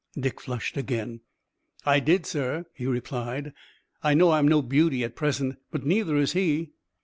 Dick flushed again. "I did, sir," he replied. "I know I'm no beauty at present, but neither is he."